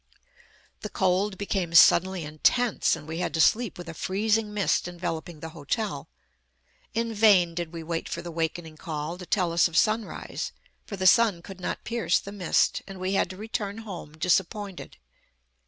The cold became suddenly intense, and we had to sleep with a freezing mist enveloping the hotel. In vain did we wait for the wakening call, to tell us of sunrise; for the sun could not pierce the mist, and we had to return home disappointed.